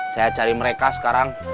saya cari mereka sekarang